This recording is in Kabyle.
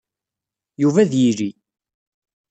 Yuba ad yili.